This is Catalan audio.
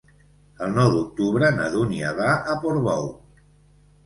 El nou d'octubre na Dúnia va a Portbou.